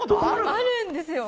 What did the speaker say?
あるんですよ